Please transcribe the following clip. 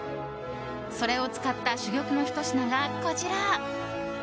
それを使った珠玉のひと品がこちら。